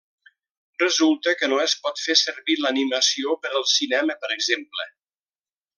Resulta que no es pot fer servir l'animació per al cinema per exemple.